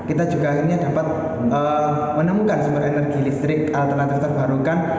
kita juga akhirnya dapat menemukan sumber energi listrik alternatif terbarukan